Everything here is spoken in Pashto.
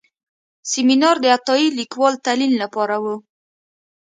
سیمینار د عطایي لیکوال تلین لپاره و.